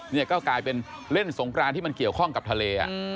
นี่ก็กลายเป็นเล่นสงกรานที่มันเกี่ยวข้องกับทะเล